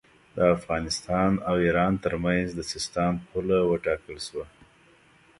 د افغانستان او ایران ترمنځ د سیستان پوله وټاکل شوه.